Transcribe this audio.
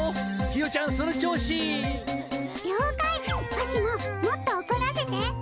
わしももっとおこらせて。